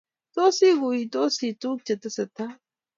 Tos, iguiguiyoti tuguk chetesetai?